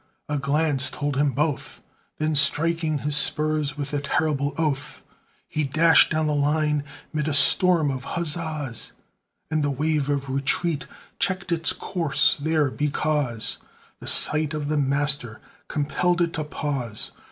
a glance told him both. Then striking his spurs with a terrible oath, He dashed down the line, mid a storm of huzzas, And the wave of retreat checked its course there, because The sight of the master compelled it to pause.